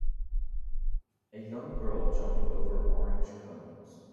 A young girl jumping over orange cones.